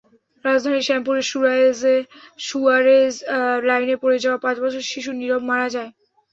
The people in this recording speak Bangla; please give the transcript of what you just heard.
রাজধানীর শ্যামপুরে স্যুয়ারেজ লাইনে পড়ে যাওয়া পাঁচ বছরের শিশু নীরব মারা গেছে।